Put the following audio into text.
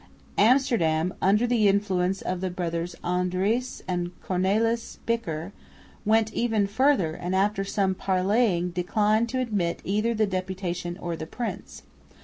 Amsterdam, under the influence of the brothers Andries and Cornelis Bicker, went even further and after some parleying declined to admit either the deputation or the prince.